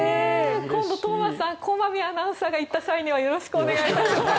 今度トーマスさん駒見アナウンサーが行った際にはよろしくお願いいたします。